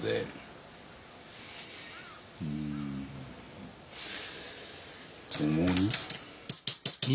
うん「ともに」。